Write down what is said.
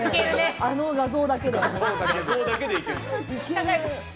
あの画像だけで。